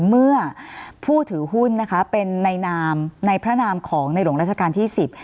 เมื่อผู้ถือหุ้นนะคะเป็นในนามในพระนามของในหลวงราชการที่สิบ